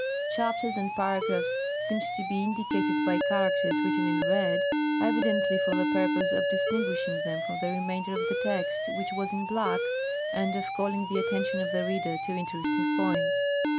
Chapters and paragraphs seemed to be indicated by characters written in red, evidently for the purpose of distinguishing them from the remainder of the text, which was in black, and of calling the attention of the reader to interesting points.